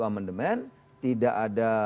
amendement tidak ada